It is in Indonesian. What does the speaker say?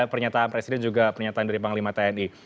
pernyataan presiden juga pernyataan dari panglima tni